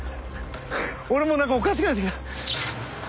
俺もう何かおかしくなってきた。